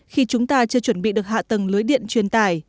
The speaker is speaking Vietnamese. khi chúng ta chưa chuẩn bị được hạ tầng lưới điện truyền tải